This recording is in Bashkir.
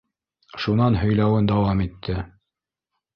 Шунан һөйләүен дауам итте.